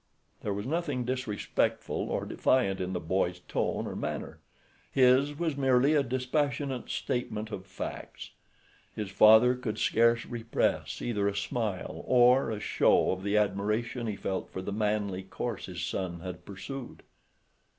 There was nothing disrespectful or defiant in the boy's tone or manner. His was merely a dispassionate statement of facts. His father could scarce repress either a smile or a show of the admiration he felt for the manly course his son had pursued.